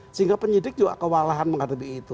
sehingga penyidik juga kewalahan menghadapi itu